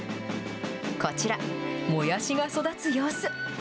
こちら、もやしが育つ様子。